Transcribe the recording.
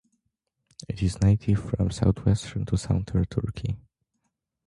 It is native from southwestern to southern Turkey.